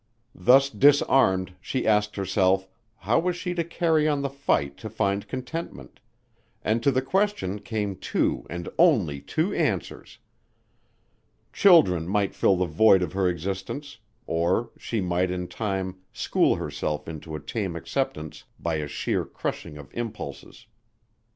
Thus disarmed, she asked herself, how was she to carry on the fight to find contentment; and to the question came two and only two answers. Children might fill the void of her existence or she might in time school herself into a tame acceptance by a sheer crushing of impulses.